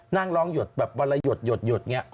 นั่งร้องหยดแบบวันละหยดหยดอย่างนี้